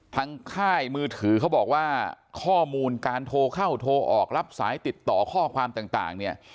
ค่ายมือถือเขาบอกว่าข้อมูลการโทรเข้าโทรออกรับสายติดต่อข้อความต่างเนี่ย